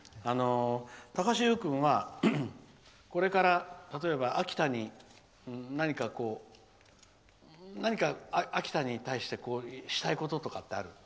高橋優君はこれから例えば何か秋田に対してしたいこととかある？